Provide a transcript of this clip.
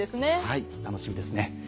はい楽しみですね。